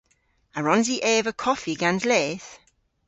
A wrons i eva koffi gans leth?